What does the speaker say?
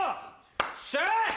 よっしゃ！